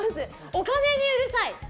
お金にうるさい！